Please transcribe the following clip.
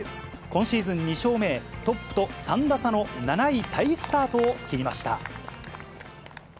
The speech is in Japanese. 今シーズン２勝目へ、トップと３打差の７位タイスタートを切りました。